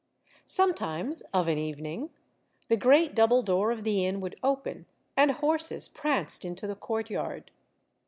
Sometimes, of an evening, the great double door of the inn would open, and horses pranced into the courtyard.